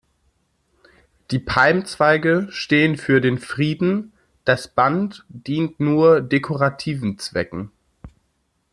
Die Palmzweige stehen für den Frieden, das Band dient nur dekorativen Zwecken.